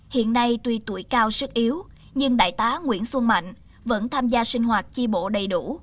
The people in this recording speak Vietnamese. hiện nay tuy tuổi cao sức yếu nhưng đại tá nguyễn xuân mạnh vẫn tham gia sinh hoạt chi bộ đầy đủ